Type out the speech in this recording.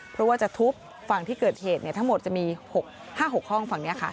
เพราะว่าจะทุบฝั่งที่เกิดเหตุทั้งหมดจะมี๕๖ห้องฝั่งนี้ค่ะ